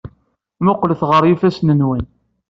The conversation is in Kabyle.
Mmuqqlet ɣer yifassen-nwen.